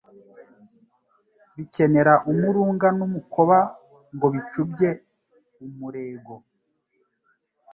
bikenera umurunga n’umukoba ngo bicubye umurego